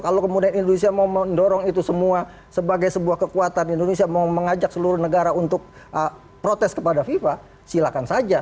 kalau kemudian indonesia mau mendorong itu semua sebagai sebuah kekuatan indonesia mau mengajak seluruh negara untuk protes kepada fifa silakan saja